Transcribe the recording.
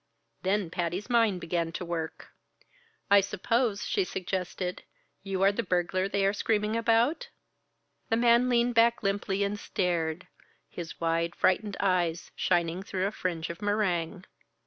Then Patty's mind began to work. "I suppose," she suggested, "you are the burglar they are screaming about?" The man leaned back limply and stared, his wide, frightened eyes shining through a fringe of meringue.